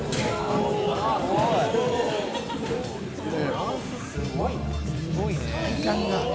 バランスすごいな。